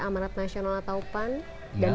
amarat nasional ataupan dan